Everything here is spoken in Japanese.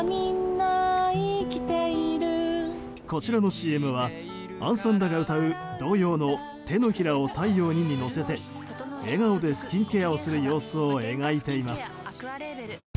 こちらのＣＭは杏さんらが歌う童謡の「手のひらを太陽に」に乗せて笑顔でスキンケアをする様子を描いています。